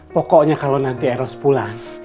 pokoknya kalau nanti eros pulang